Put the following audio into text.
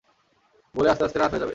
বলেছে আসতে আসতে রাত হয়ে যাবে।